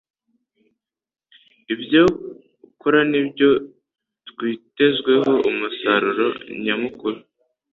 ibyo kora nibyo twiitezweho umusaruro nyamukuru